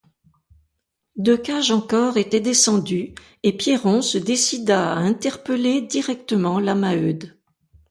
Deux cages encore étaient descendues, et Pierron se décida à interpeller directement la Maheude.